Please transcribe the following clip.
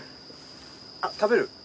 あっ食べる？